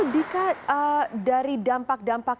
dikat dari dampak dampak